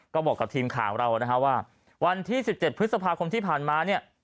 ก็บอกกับทีมข่าวเรานะฮะว่าวันที่๑๗พฤษภาคมที่ผ่านมาเนี่ย